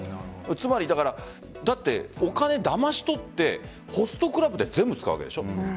つまり、お金、だまし取ってホストクラブで全部使うわけでしょ？